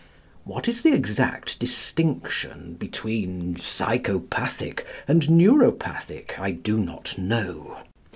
What is the exact distinction between "psychopathic" and "neuropathic" I do not know.